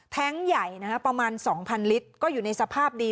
แท็งค์ใหญ่ประมาณ๒๐๐๐ลิตรก็อยู่ในสภาพดี